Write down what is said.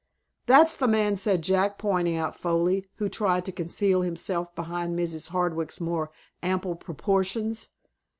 "That's the man," said Jack, pointing out Foley, who tried to conceal himself behind Mrs. Hardwick's more ample proportions.